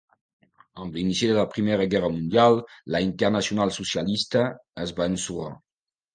Amb l'inici de la Primera Guerra Mundial, la Internacional Socialista es va ensorrar.